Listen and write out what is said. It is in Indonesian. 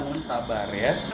gak mau sabar ya